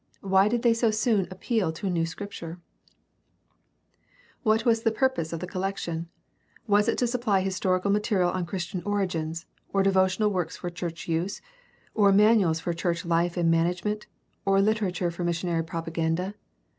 Why did they so soon appeal to a new Scripture ? What was the purpose of the collection ? Was it to supply historical material on Christian origins, or devotional works for church use, or manuals of church life and manage ment, or Uterature for missionary propaganda